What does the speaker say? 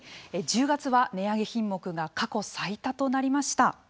１０月は値上げ品目が過去最多となりました。